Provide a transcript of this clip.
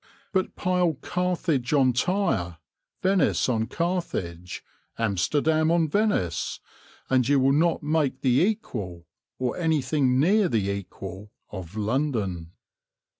But pile Carthage on Tyre, Venice on Carthage, Amsterdam on Venice, and you will not make the equal, or anything near the equal, of London.